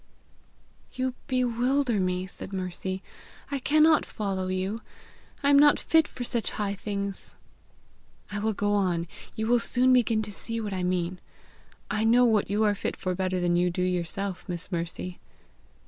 "You bewilder me," said Mercy. "I cannot follow you. I am not fit for such high things!" "I will go on; you will soon begin to see what I mean: I know what you are fit for better than you do yourself, Miss Mercy.